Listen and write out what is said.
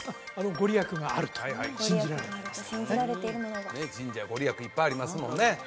御利益があると信じられている神社御利益いっぱいありますもんねえ